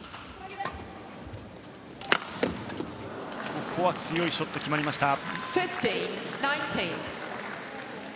ここは強いショットが決まりました。